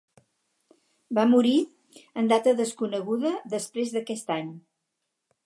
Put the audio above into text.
Va morir en data desconeguda, després d'aquest any.